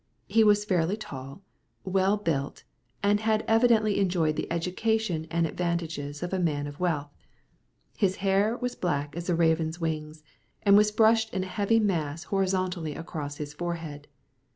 He was fairly tall, well built, and had evidently enjoyed the education and advantages of a man of wealth. His hair was black as the raven's wings, and was brushed in a heavy mass horizontally across his forehead.